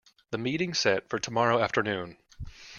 The meeting's set for tomorrow afternoon.